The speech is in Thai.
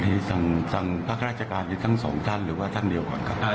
ให้สั่งพักราชการอยู่ทั้งสองท่านหรือว่าท่านเดียวก่อนครับ